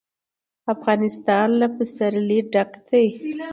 افغانستان له پسرلی ډک دی.